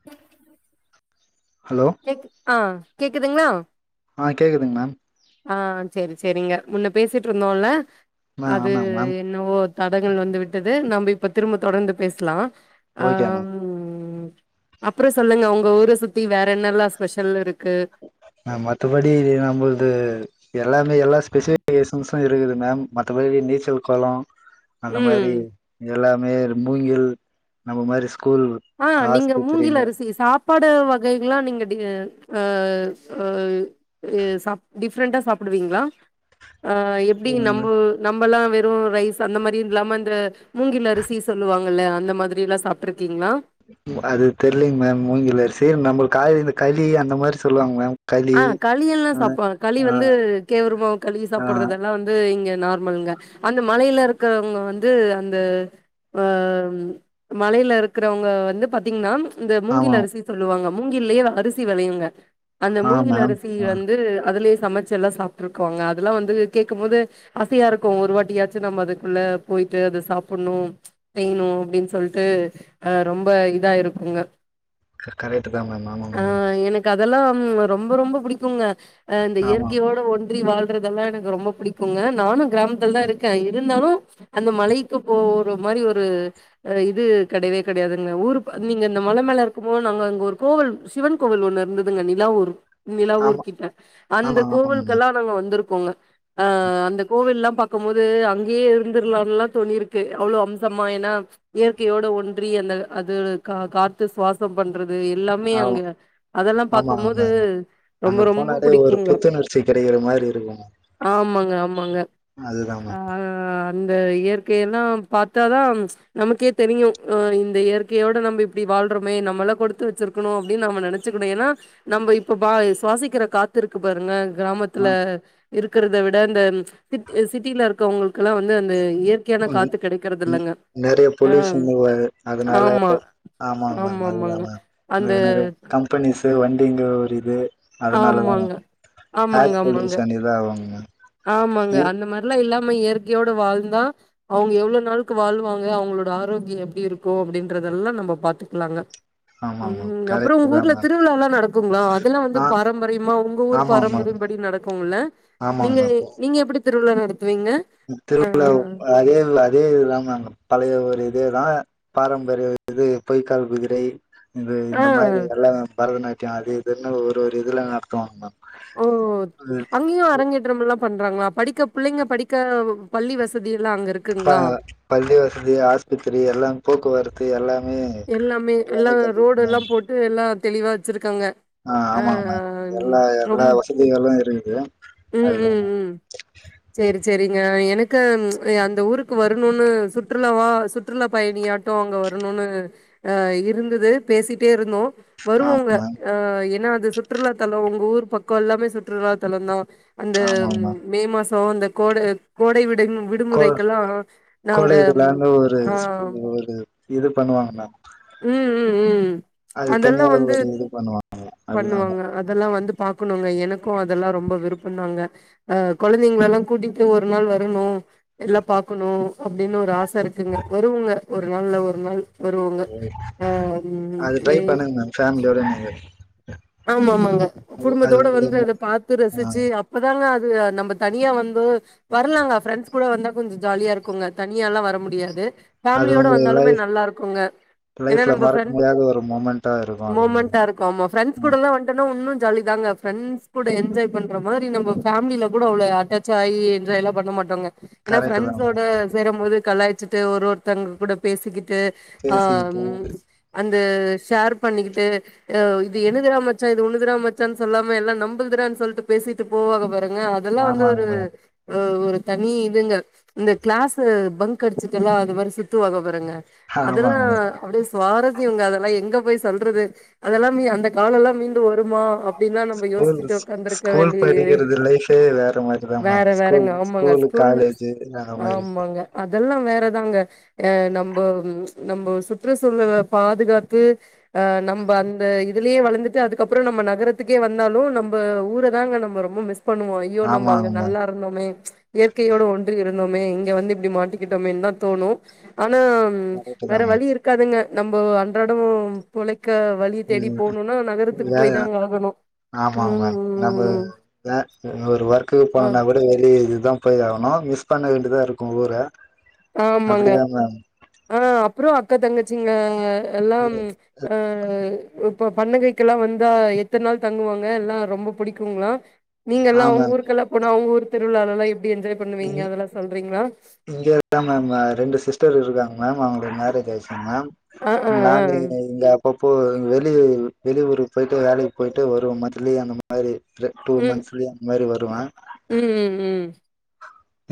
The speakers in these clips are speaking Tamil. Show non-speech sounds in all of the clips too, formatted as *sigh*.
*inaudible* ஹலோ கேக்கு ஆ கேக்குதுங்ளா ஆ கேக்குதுங்க மேம் ஆ சேரி சேரிங்க முன்ன பேசிட்ருந்தோல ஆ அது ஆமாங்க மேம் என்னவோ அ தடங்கள் வந்து விட்டது நம்ப இப்ப திரும்ப தொடர்ந்து பேஸ்லா ஆ ஓகே மேம் ம் அப்றோ சொல்லுங்க உங்க ஊர சுத்தி வேற என்னல்லா ஸ்பெஷல் இருக்கு மேம் மத்தபடி நம்மள்து எல்லாமே எல்லா ஸ்பெசிபிகேஷன்ஸும் இருக்குது மேம் மத்தபடி நீச்சல் கொலோ அந்த ம் மாரி இது எல்லாமே மூங்கில் நம்ம மாரி ஸ்கூல் ஆ நீங்க மூங்கில் ஆஸ்பத்திரிங்க அரிசி சாப் ப்பாடு வகைகளா நீங்க டே ஆ ஆ ஏ சாப் டிஃப்ரண்ட்டா சாப்டுவிங்ளா அ எப்டி ம் நம்பு நம்பல்லா வெறு ரைஸ் அந்த மாரி இல்லாம இந்த மூங்கில் அரிசி சொல்லுவாங்கல்ல அந்த மாதுரில்லா சாப்ட்ருக்கிங்ளா அது தெர்லிங் மேம் மூங்கில் அரிசி நம்புள்க் கால்லே இந்த களி அந்த மாரி சொல்லுவாங் மேம் களி ஆ களியல்லா ஆ சாப்பா களி ஆ வந்து கேவுருமாவு களி ஆ சாப்பட்றது எல்லா வந் வந்து இங்க நார்மல்ங்க அந்த மலைல இருக்கறவங்க வந்து அந்த ஆ மலைலருக்குறவங்க வந்து பாத்திங்ன்னா இந்த ஆமா மூங்கில் அரிசி சொல்லுவாங்க மூங்கில்லயே அரிசி வெளயுங்க அந்த ஆ மூங்கில் மேம் அரிசி ஆ வந்து அதுலே சமச்செல்லா சாப்ட்ருக்கோங்க அதெல்லா வந்து கேக்குமோது அசையா இருக்கு ஒரு வாட்டியாச்சு நம்ம அதுக்குள்ள போயிட்டு அத சாப்பட்ணு செய்ணு அப்டின் சொல்ட்டு அ ரொம்ப இதா இருக்குங்க க கரெட்டுதா மேம் ஆமா மேம் அதெல்லா ரொம்ப ரொம்ப புடிக்குங்க இந்த அ ஆமா இயற்கையோட ஒன்றி வாழ் றதெல்லா எனக்கு ரொம்ப புடிக்குங்க நானு கிராமத்துலதா இருக்க இருந்தாலு அந்த மலைக்கு போவுற மாரி ஒரு அட இது கெடையவே கெடையாதுங்க ஊருப் நீங்க இந்த மல மேல இருக்கும்போ நாங்க இங்க ஒரு கோவில் சிவன் கோவில் ஒன்னு இருந்துதுங்க நி லாவூர் நிலாவூர் ஆமா கிட்ட அந்த ஆமா ஆமாங்க மேம் கோவில்க்கெல்லா நாங்க வந்துருக்கோங்க அ அந்த கோவில்லா பாக்கும்போது அங்கேயே இருந்திர்லான்லா தோணிருக்கு அவ்ளோ அம்சமா ஏனா இயற்கையோட ஒன்றி அந்த அதோட கா காத்து சுவாஸ் ம் பண்றது எல்லாமே அங்க அதெல்லாம் பாக் ம அங்க போனாலே ஒரு புடிக்குங்க. புத்துணர்ச்சி கெடக்கிற மாரி இருக்குங்க ஆமாங்க ஆமாங்க அதுதா அ மேம் அ அ அந்த இயற்கையெல்லா பாத்தாதா நமக்கேத் தெரியும் அ இந்த இயற்கையோட நம்ப இப்பிடி வாழ்றமே நம்மெல்லா கொடுத்து வச்சிருக் க்குணு அப்டின் நாம நெனச்சுக்குணு ஏனா நம்ம இப்ப பா சுவாசிக்கிற காத்து இருக்கு பாருங்க ஆ கிராமத்துல இருக்கறத விட அந்த திட் சிட்டில இருக்கவுங்களுக்லா வந்து அந்த இயற் *inaudible* நெறைய ஆ பொலியுஷனு அதனால ஆமா. ஆமாங்க மேம் அதுதா ஆமாமாங்க. மேம் அந்த நெறைய நெறைய கம்பெனீசு வண்டிங்க ஒரு இது அதனாலதா ஆமாங்க மேம் ஏர் ஆமாங்க ஆமாங்க பொல்யூஷன் இதாகுங்க மேம் ஆமாங்க ம் அந்த மாரி ல்லா இல்லாம இயற்கையோடு வாழ்ந்தா அவுங்க எவ்ளோ நாள்க்கு வாழ்வாங்க அவுங்களோட ஆரோக்கியோ எப்டி இருக்கு அப்டின்றதெல்லா நம்ப பாத்துக்லாங்க ம் ஆமாங்க மேம் ம் அப்புறோ கரெக்ட் தா ஒங்கூர்ல மேம் திருவிழால்லா நடக்குங்ளா அதெல்லா வந்து ஆ பாரம்பரியமா ஒங்க ஊர் ஆமாங்க மேம் பாரம்பரியம் படி நடக்குல்ல நீங்க ஆமாங்க நீங்க எப்பிடி திருவிழா நடத்துவீங்க ம் ஆ திருவிழா ஒ அ ஏழ் நாள் இதே இதுதா மேம் பழைய ஒரு இதேதா பாரம்பரிய இது பொய்க்கால் குதிரை இது ஆ இந்த மாரி எல்லாம் பரதநாட்டியோ ஆடி இதுன்னு ஒரு ஒரு இதுல்லா நடத்துவாங்க மேம் ஓ அங்கியு அரங்கேட் றம்லா பண்றாங்ளா படிக்க புள்ளைங்க படிக்க பள்ளி வசதில்லா அங்கருக் ப பள்ளி வசதி ஆஸ்பத்திரி எல்லா போக்குவரத்து எல்லாமே எல்லாமே கட்டிருக்கு மேம் து எல்லா தெளிவா வச்சிருக்காங்க அ ஆ ஆமாங்க மேம் எல்லா எல்லா ரொம் வசதிகளு இருக்குது அதுதா மேம் சேரி சேரிங்க எனக்கு அந்த ஊருக்கு வரணுன்னு சுற்றுலாவா சுற் றுலா பயணியாட்டோ அங்க வரணுன்னு அ இருந்துது பேசிட்டே இருந்தோ வருவோங்க ஆமாங்க மேம் அ என்னா அது சுற்றுலாத்தலோ ஒங்க ஊர் பக்கோ எல்லாமே சுற்றுலாத்தலந்தா அந்த ஆமாங்க மேம் மே மாசோ அந்த கோட கோடை விடைம் வி கோ டுமுறைக்கெல்லா நாங்க கோடை விழான்னு ஒரு ஆ ஸ் ஒரு இது பண்ணுவாங்க மேம் ம் ம் ம் அது தனியா அதெல்லாம் வந்து ஒரு இது பண்ணுவாங் பண்ணுவாங்க அதெல்லா வந்து பாக்கணுங்க எனக்கு அதெல்லா ரொம்ப விருப்பந்தாங்க அ கொழந்தங்களல்லா கூட்டிட்டு ஒருநாள் வரணு எல்லா பாக்குணு அப்டின் ஒரு ஆச இருக்குங்க வருவங்க ஒருநாள்ல ஒருநாள் வருவாங்க ம். அ ம் ஏ ஃபேமிலியோடங்கயா ஆமாமாங்க குடும்பத்தோட வந்து அத உங்களுக்கு பாத்து ஆ ரசிச்சு அப் ப்பதாங்க அது நம்ப தனியா வந்து வர்லாங்க ஃப்ரெண்ட்ஸ் கூட வந்தா கொஞ்சொ ஜாலியாருக்குங்க தனியால்லா வரமுடியாது அது ஃபேமிலியோட உங்களுக்கு வந்தாலுமே லைஃப் நல்லா இருக்குங்க ஏனா லைஃப்ல நம்ம மறக்க ஃப்ரெண்ட் முடியாத ஒரு மூமெண்டா இருக்கு அது உங்களுக்கு மொமெண்ட்டா இருக்கு ஆமா ஃப்ரெண்ட்ஸ் ம் கூடல்லா வந்ட்டோன்னா உன்னு ஜாலி தாங்க ஃபிரெண்ட்ஸ் கூட என்ஜாய் பண்ற மாரி நம்ம ஃபேமிலிலக் கூட அவ்ளோ அட்டாச் சாய் எஞ்ஜாய்லா பண்ணோ மாட்டோங்க ஏனா கரெக்ட் தா ஃப்ரெண்ட்ஸோட மேம் சேரம் போது கலாய்ச்சிட்டு ஒரு ஒருத்தங்க கூட பேசிக்கிட்டு பேசிக்கிட்டு அம் அந்த ஷேர் பண்ணிக்கிட்டு அ இது என்ன எந்துறா மச்சா இது உன்னுதுறா மச்சான்னு சொல்லாம எல்லா நம்புல்துறான் சொல்ட்டு பேசிட்டு போவாங்க பாருங்க அது இதெல்லா வந்து ஆமாங்க ஒரு மேம் அ ஒரு தனி இதுங்க இந்த கிளாஸ்ஸு பங்க் அடிச்சுட்டுல்லா அது மாரி சுத்துவாங்க பாருங்க அதெல்லா ஆமாங்க அப்டியே சுவாரஸ்யோங்க அதெல்லா எங்க போய் சொல்றது அதெல்லாமே அந்த நாள் எல்லா மீண்டு வருமா அப் ஸ்கூல் ஸ் ஸ்கூல் படிக்கிறது லைஃபே வேற மாரிதா மேம் வேற ஸ்கூலு வேறங்க. ஆமாங்க. ஸ்கூல் காலேஜ் ஜு வேற மாரிதா அதெல்லா வேறதாங்க அ நம்போ நம்போ சுற்று சூழல்கள பாதுகாத்து அ நம்ப அந்த இ துலே வளந்துட்டு அதுக்கப்பறோ நம்ம நகரத்துக்கே வந்தாலு நம்ப ஊர தாங்க நம்ப ரொம்ப மிஸ் பண்ணுவோ இ ஐயோ நம்ப அங்க ஆமாங்க மேம் நல்லா இருந்தோமே இயற்கையோட ஒன்றி இருந்தோமே இங்கே வந்து இப்டி மாட்டிக்கிட்டோமேன்னு தா தோணு ஆனா ம் கரெக்ட்டு தா வேற மேம் வழி இருக்காதுங்க நம்ப அன்றாடோம் பொழைக்க வழி தேடி ம் போனுன்னா நகரத்துக்கு போய் தாங்க ஆகனு ஆமா மேம் நம்மோ வே ஒரு ஒர்க்கு அ போனோன்னா கூ ட வெளிய இதுதா போய் ஆவனூ மிஸ் பண்ண வேண்டியதா இருக்கு ஊர ஆமாங்க அப்டிதா மேம் அ அப்றோ அக்கா தங்கச்சிங்க எல்லாம் ம். அ இப்ப பண்டிகைக்கு எல்லா வந்தா எத்தன நாள் தங்குவாங்க எல்லா ரொம்ப புடிக்குங்ளா ஆ நீங்கெல்லா ஒங் மேம் ஊருக்குல்லா போனா ஒங் ஊர் திருவிழாலலா எப்டி எஞ்ஜாய் பண்ணுவீங்க அதெல்லா சொல்றீங்ளா அதா மேம் அ ரெண்டு சிஸ்டர் இருக்றாங்க மேம் அவங்களுக்கு மேரேஜ் ஆயிச்சிங் மேம் ஆ அ நாங்க எங்க எங்க அப்பப்போ வெளியூரு வெளியூருக்கு போயிட்டு வேலைக்கு போயிட்டு வருவோ மந்த்லி அந்த மா மாரி ந்த டூ ம். மந்த்ஸ்லே அந்த மாரி வருவ ம் ம் ம்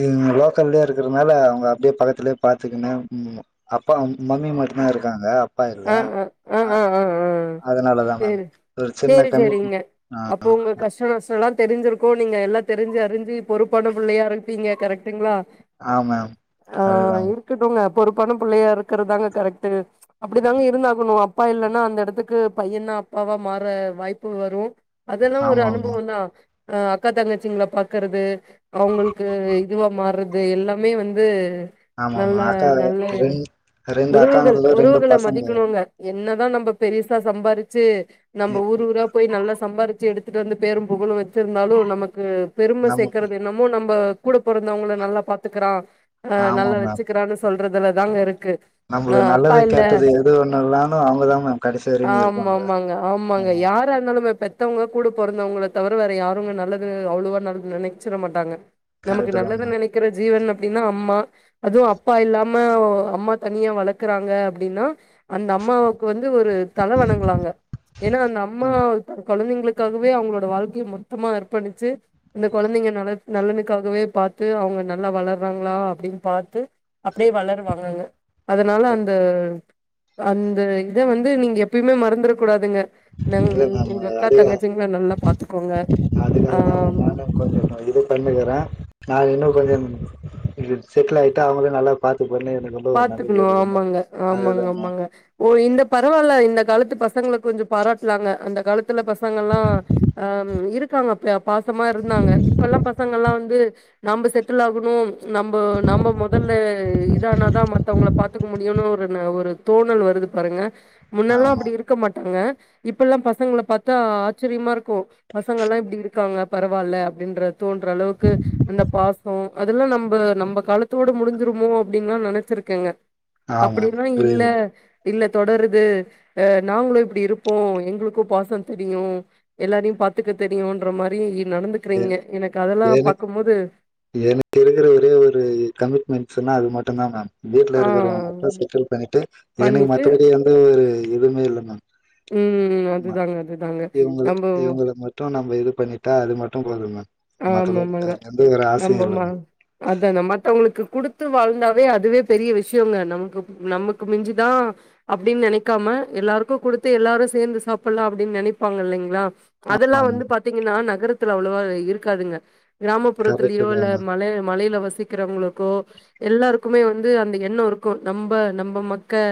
இவுங்க லோக்கல்லயே இருக்கறனால அவுங்க அப்டியே பக்கத்துலே பாத்துக்கன்னு ம்மா அப்பா மம்மி மட்டுந்தா இருக்காங்க அப்பா இல்ல ஆ, ஆ. ஆ, அ ஆ, அதனாலதா மேம் ஒரு சின்ன சேரி கமிட் செரிங்க ஆ அப்போ உங்க கஷ்டோ நஷ்டோல்லா தெரிஞ்சிருக்கு நீங்க எல்லா தெரிஞ்சி அறிஞ்சி பொறுப்பான புள்ளையா இருப்பீங்க கரெக்ட்டுங்ளா ஆ மேம் ஆ அதுதா மேம் இருக்கட்டுங்க பொறுப்பான புள்ளையா இருக்கறதாங்க கரெக்ட்டு அப்டி தாங்க இருந்தாகணு அப்பா இல்லன்னா அந்த எடத்துக்கு பையந்தா அப்பாவா மாற வாய்ப்பு வரு அதெல்லா ஒரு ஆமா மேம் அனுபவந்தா அ அக்கா தங்கச்சிங்ள பாக்கறது அவுங்களுக்கு இதுவா மாறது எல்லாமே வந்து ஆமா மேம் நல்லா அக்கா நல்ல ஒரு ரெண் ரெண்டு உறவுகள் அக்காங்களு ரெண்டு உறவுகள பசங்க மதிக்கணுங்க என்னதா நம்ப பெருசா சம்பாரிச்சி நம்ப ஊர் ஊரா போய் நல்லா சம்பாரிச்சு எடுத்துட்டு வந்து பேரும் புகழு வெச்சிருந்தாலு நமக்கு பெரும நம்ம சேக்குறது என்னம் மோ நம்ம கூட பொறந்தவங்கள நல்லா பாத்துக்குறா ஆமா நல்லா அ மேம் வெச்சுக்குறான்னு சொல்றதுல தாங்க இருக்கு அ நம்மளுக்கு அப்பா நல்லது இல்ல கெட்டது எது ஒண்ணுல்லனாலு அவங்கதா மேம் கடைசி வரைக்கு ஆமா இருப்பாங்க ஆமாங்க ஆமாங்க ஆ யாரா இருந்தாலுமே பெத்தவங்க கூட பொறந்தவங்கள தவிர வேற யாருமே நல்லது அவ்ளோவா நல்லது நெனை ச்சிட மாட்டாங்க நமக்கு கரெக்ட்டுதா நல்லது மேம் நெனைக்கிற ஜீவன் அப்டின்னா அம்மா அதுவு அப்பா இல்லாம ஒ அம்மா தனியா வளக்குறாங்க அப்டின்னா அந்த அம்மாவுக்கு வந்து ஒரு தல வணங்குலாங்க ஏன்னா அந்த அம்மா இப்ப கொழந்தைங்களுக்காகவே அவங்களோட வாழ்க்கைய மொத்தமா அற்பணிச்சு இந்த குழந்தைங்க நல்ல நல்லனுக்காகவே பாத்து அவங்க நல்லா வளர்றாங்களா அப்டின்னு பாத்து அப்டியே வளருவாங்கங்க அதனால அந்த அந்த இத வந்து நீங்க எப்பயுமே மறந்துட கூடாதுங்க நங இல்ல மேம் உங்க அக்கா அதிக தங்கச்சிங்ள நல்லா பாத்துக்கோங்க ஆ *inaudible* தா இது பண்ணுக்குறே நா இன்னு கொஞ்சொ இது செட்டில் ஆயிட்டு அவங்கள நல்லா பாத்துப்பணு எனக்கு ரொம்ப ஒரு நம்பிக்கை பாத்துக்கணு இருக்குங்க ஆமாங்க ஆமாங்க அதுதாங்க ஆமாங்க ஓ இந்த பரவாயில்ல இந்த காலத்து பசங்கள கொஞ்சொ பாராட்லாங்க அந்த காலத்துல பசங்கல்லா ஆ இருக்காங்க ப பாசமா இருந்தாங்க இப்ப எல்லா பசங்கல்லா வந்து நம்ப செட்டில் ஆகணு நம்ப நம்ப முதல்ல இதானா தா மத்தவங்கள பாத் துக்க முடியுனு ஒரு ந ஒரு தோணல் வருது பாருங்க முன்னல்லா ஆமா அப்டி இருக்க மாட்டாங்க இப்ப எல்லா பசங்கள பாத்தா ஆச்சரியமா இருக்கு பசங்கல்லா இப்டி இருக்காங்க பரவாயில்ல அப்டின்ற தோன்ற அளவுக்கு அந்த பாசோ அதெல்லா நம்ப நம்ப காலத்தோட முடிஞ்சிருமோ அப்டின்னுல்லா நனைச்சிருக்கேங்க ஆமா அப்டி எல்லா இல்ல புரியுது இல்ல தொடருது அ நாங்களு இப்டி இருப்போ எங்களுக்கு பாசொ தெரியு எல்லாரையு பாத்துக்க தெரியுன்ற மாரி என நடந்துக்குறீங்க எனக்கு அதெல்லா எனக்கு பாக்கும் போது எனக்கு இருக்குற ஒரே ஒரு கமிட்மெண்ட்ஸ்ன்னா அது மட்டு தா மேம் வீட்ல ஆ இருக்கிறவங்க மட்டு செட்டில் பண்ணிட்டு எனக்கு பண்ணிட்டு மத்தபடி வந்து ஒரு இதுவுமே இல்ல மேம் ம் ஆமா அதுதாங்க அதுதாங்க நம்ப டு நம்ம இது பண்ணிட்டா அது மட்டு போது மே மத்தபடி எந்த ஒரு ஆசையு இல்லங்க அதானே மத்தவங்களுக்கு குடுத்து வாழ்ந்தாவே அதுவே பெரிய விஷயோங்க நமக்கு நமக்கு மிஞ்சுதா அப்டின் நெனைக்காம எல்லாருக்கு கொடுத்து எல்லாரு சேர்ந்து சாப்பிட்லா அப்டின்னு நெனைப்பாங்க இல்லைங்களா மேம் அதெல்லா வந்து பாத்தீங்கன்னா நகரத்துல அவ்ளவா இருக்காதுங்க கரெக்ட் கிராமப்புறத்துலயோ தா இல்ல மேம் மல மலயில வசிக்கிறவங்களுக்கோ எல்லாருக்குமே வந்து அந்த எண்ணோ இருக்கு நம்ப நம்ப மக்க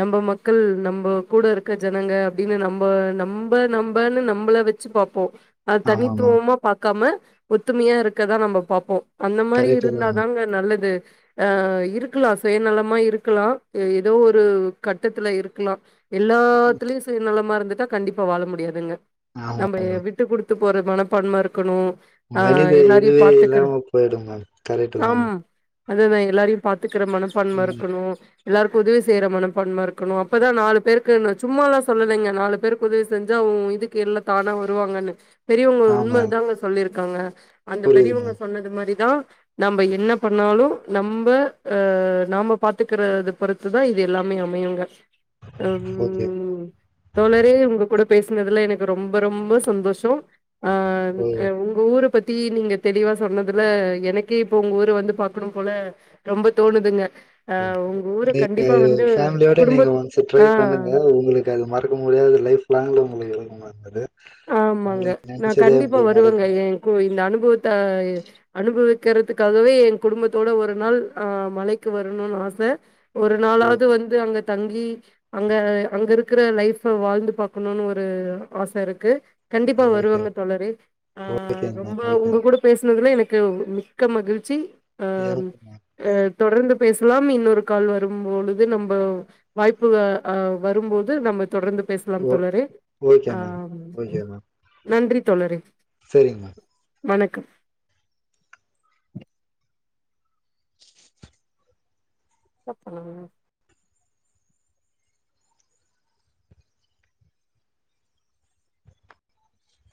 நம்ப மக்கள் நம்ப கூட இருக்க ஜனங்க அப்டின்னு நம்ப நம்ப நம்பனு நம்பள வெ ச்சு பாப்போ அது ஆமா மேம் தனித்துவமா பாக்காம ஒத்துமையா இருக்கதா நம்ம பாப்போ அந்த மாரி கரெக்ட் தா மேம் இருந்தாதாங்க நல்லது ஆ இருக்குலா சுயநலமா இருக்குலா ஏதோ ஒரு கட்டத்துல இருக்குலா எல்லாத்துலயு சுய நலமா இருந்துட்டா கண்டிப்பா வாழ முடியாதுங்க ஆமா நம்ம மேம் விட்டு குடுத்து போற மனப்பான்ம இருக்கணு ஆ மனித எல்லாரையு இதுவே பாத்துக்கற இல்லாம போயிடோ மேம் கரக்ட்டுதா மேம் அத நா எல்லாரையு பாத்துக்குற மனப்பான்மை ம் இருக்கணோ எல்லாருக்கோ உதவி செய்யுற மனப்பான்ம இருக்கணோ அப்பதா நாலு பேருக்கு நா சும்மாலா சொல்லலைங்க நாலு பேருக்கு உதவி செஞ்சா உ இதுக் கீர்ல தானா வருவாங்கன்னு பெரியவங்க ஆமா உண்மைதாங்க சொல்லியிருக்காங்க அந்த புரியுது பெரியவங்க மேம் சொன்னது மாதிரிதா நம்ப என்ன பண்ணாலு நம்ப அ நாம பாத்துக்குறத பொறுத்துதா இது எல்லாமே அமையுங்க ஓகே ம் தோழரே உங்க கூட பேசினதுல எனக்கு ரொம்ப ரொம்ப சந்தோஷோ அ ம் உ ங்க ஊர பத்தி நீங்க தெளிவா சொன்னதுல எனக்கே இப்போ உங்க ஊர வந்து பாக்கணு போல ரொம்ப தோணுதுங்க அ உங்க ஊர நீங்க கண்டிப்பா வந்து ஃபேமிலியோட நீங்க குடும்ப ஒன்ஸு ட்ரை ஆ பண்ணுங்க உங்குளுக் அது மறக்க முடியாது லைஃப் லாங்க்ல உங்குளுக்கு இருக்குமா *unintelligible* ஆமாங்க நா கண்டிப்பா வருவங்க நடக்கு ஏ கு இந்த அனுபவத்த அனுபவிக்கிறதுக்காகவே ஏ குடும்பத்தோட ஒரு நாள் ஆ மலைக்கு வரணோனு ஆச ஒரு ஓ நாளாவது வந்து அங்க தங்கி அங்க அங்க இருக்குற லைஃப வாழ்ந்து பாக்கணோனு ஒரு ஆச இருக்கு கண்டிப்பா ஓகே வருவங்க தோழரே ஆ ஓகேங்க மேம் ரொம்ப ஓகே உங்க கூட பேசனதுல எனக்கு மிக்க மகிழ்ச்சி ஆ எனக்கு மேம் அ தொடர்ந்து பேசலா இன்னோரு கால் வரும்பொழுது நம்போ வாய்ப்பு ஆ வரும்போது நம்ப தொடர்ந்து பேசலா ஓ தோழரே ஓகே ஆ மேம் ஓகே மேம் நன்றி தோழரே செரிங்க மேம் வணக்கம் என்ன பண்ணுவ